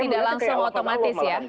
tidak langsung otomatis ya